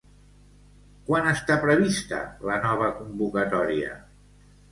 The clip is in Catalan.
Quan està prevista la nova convocatòria?